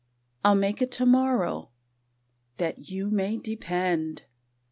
"I'll make it tomorrow, that you may depend!"